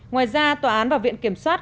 ngoài ra tòa án và viện kiểm soát